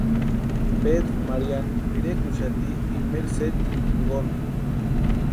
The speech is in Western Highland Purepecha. Pedru Maríani pirekuxati imaeri setima jinkoni.